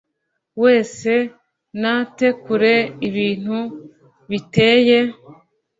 wese nate kure ibintu biteye